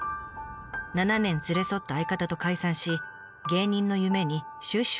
７年連れ添った相方と解散し芸人の夢に終止符を打ちました。